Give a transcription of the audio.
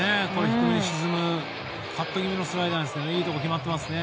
低めに沈むカット気味のスライダーいいところ決まってますね。